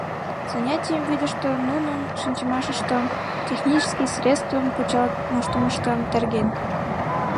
Занятийым вӱдышӧ нунын шинчымашыштым, технический средствым кучылт моштымыштым терген.